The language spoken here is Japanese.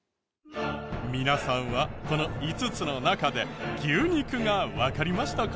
皆さんはこの５つの中で牛肉がわかりましたか？